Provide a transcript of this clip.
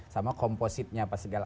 sama kompositnya apa segala